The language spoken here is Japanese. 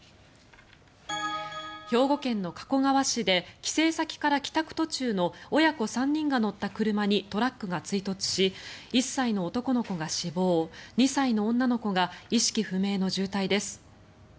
兵庫県の加古川市で帰省先から帰宅途中の親子３人が乗った車にトラックが追突し１歳の男の子が死亡２歳の女の子が意識不明の重体です。